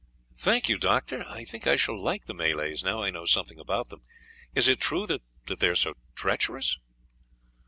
"Thank you, Doctor; I think I shall like the Malays now I know something about them. Is it true that they are so treacherous?"